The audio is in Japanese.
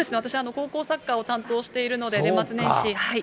高校サッカーを担当しているので、年末年始。